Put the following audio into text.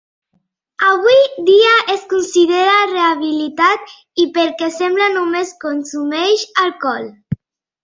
Avui dia es considera rehabilitat i pel que sembla només consumeix alcohol.